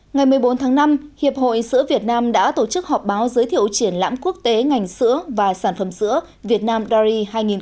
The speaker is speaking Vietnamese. ngày một mươi bốn tháng năm hiệp hội sữa việt nam đã tổ chức họp báo giới thiệu triển lãm quốc tế ngành sữa và sản phẩm sữa việt nam dari hai nghìn một mươi chín